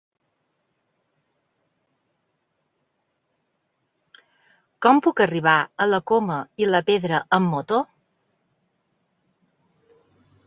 Com puc arribar a la Coma i la Pedra amb moto?